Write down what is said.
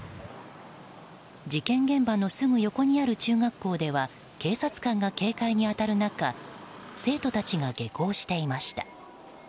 事件現場のすぐ横にある中学校では警察官が警戒に当たる中生徒たちが下校していました。